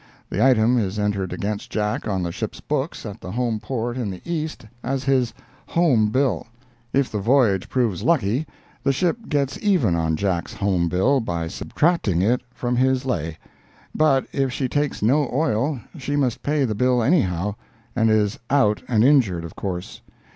The item is entered against Jack on the ship's books at the home port in the East as his "home bill." If the voyage proves lucky, the ship gets even on Jack's home bill by subtracting it from his "lay;" but if she takes no oil she must pay the bill anyhow, and is "out and injured," of course.